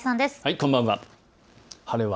こんばんは。